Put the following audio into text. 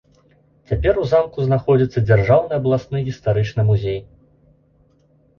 Цяпер у замку знаходзіцца дзяржаўны абласны гістарычны музей.